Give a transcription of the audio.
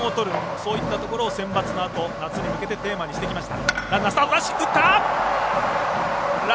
そういったところをセンバツのあと夏に向けてテーマにしてきました。